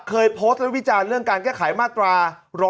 เคยโพสต์และวิจารณ์เรื่องการแก้ไขมาตรา๑๕